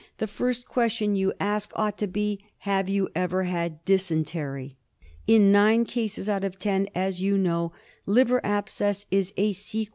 The first question you ask ought to be, " Have you ever had dysentery?" In nine cases out of ten, as you know, liver abscess is a sequel of dysentery.